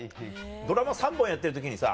ドラマ３本やってる時にさ